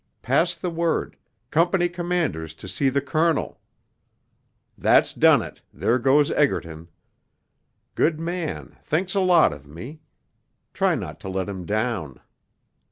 Pass the word, Company Commanders to see the Colonel ... that's done it, there goes Egerton ... good man, thinks a lot of me ... try not to let him down....